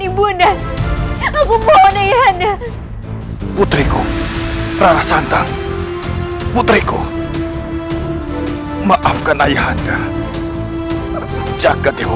ibu anda aku mohon ayah anda putriku rara santang putriku maafkan ayah anda jaga dewa